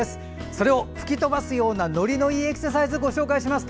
それを吹き飛ばすようなノリのいいエクササイズをご紹介します。